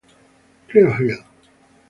Cleo Hill